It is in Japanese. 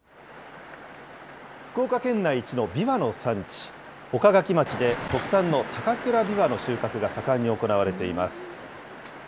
福岡県内一のびわの産地、岡垣町で、特産の高倉びわの収穫が盛んに行われています。